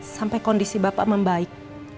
sampai kondisi bapak membaik